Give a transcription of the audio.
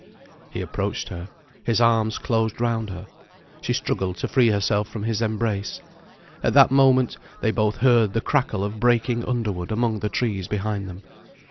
He approached her; his arms closed round her. She struggled to free herself from his embrace. At that moment they both heard the crackle of breaking underwood among the trees behind them.